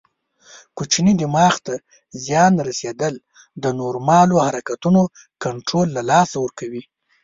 کوچني دماغ ته زیان رسېدل د نورمالو حرکتونو کنټرول له لاسه ورکوي.